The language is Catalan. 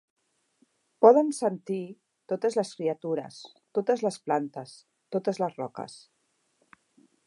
Poden sentir, totes les criatures, totes les plantes, totes les roques.